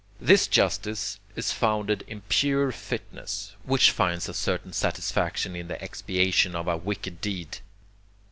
This justice is founded in pure fitness, which finds a certain satisfaction in the expiation of a wicked deed.